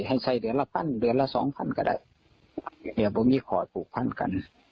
ให้ใส่เดือนละพันเดือนละสองพันก็ได้แต่ไม่มีขอปลูกพันกัน